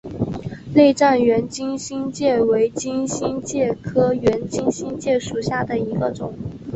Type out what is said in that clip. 内战圆金星介为金星介科圆金星介属下的一个种。